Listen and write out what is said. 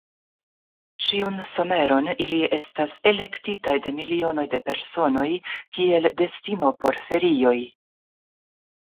Ĉiun someron, ili estas elektitaj de milionoj de personoj kiel destino por ferioj.